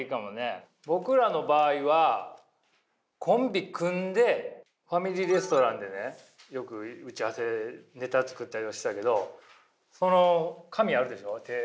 僕らの場合はコンビ組んでファミリーレストランでねよく打ち合わせネタ作ったりはしてたけど紙あるでしょ？